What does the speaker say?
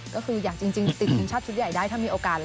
ก็คืออย่างจริงติดทีมชาติชุดใหญ่ได้ถ้ามีโอกาส